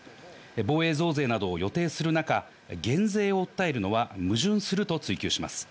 防衛増税などを予定する中、減税を訴えるのは矛盾すると追及します。